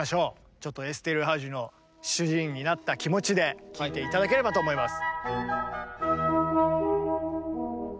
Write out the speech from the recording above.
ちょっとエステルハージの主人になった気持ちで聴いて頂ければと思います。